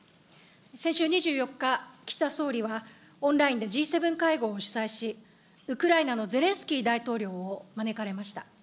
先週２４日、岸田総理はオンラインでＧ７会合を主催し、ウクライナのゼレンスキー大統領を招かれました。